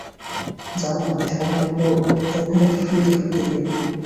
জানো, আমি সাধারণত এখানে ফ্রিতে ঢুকতে দিই না।